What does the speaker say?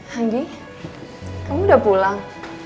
hanggi kamu udah pulang